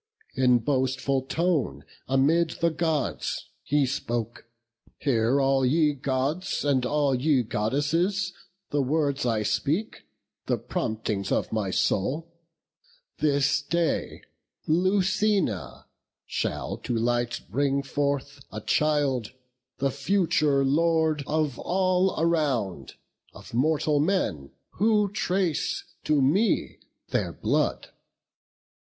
In boastful tone amid the Gods he spoke: 'Hear all ye Gods, and all ye Goddesses, The words I speak, the promptings of my soul. This day Lucina shall to light bring forth A child, the future Lord of all around, Of mortal men, who trace to me their blood.